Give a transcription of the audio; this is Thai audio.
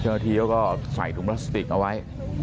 เชื่อทีเขาก็ใส่ถุงพลาสติกเอาไว้